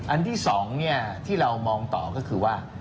อันที่๒ที่เรามองต่อก็คือว่า